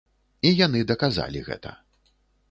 І яны даказалі гэта.